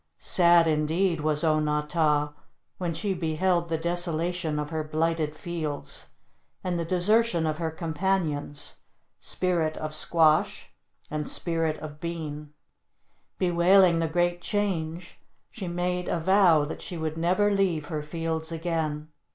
Sad indeed was O na tah when she beheld the desolation of her blighted fields, and the desertion of her companions, Spirit of Squash and Spirit of Bean. Bewailing the great change, she made a vow that she would never leave her fields again.